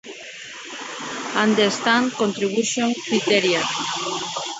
Zonas Militares.